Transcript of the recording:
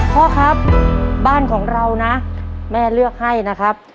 พ่อครับบ้านของเรานะแม่เลือกให้นะครับ